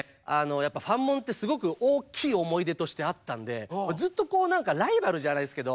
やっぱファンモンってすごく大きい思い出としてあったんでずっと何かライバルじゃないですけど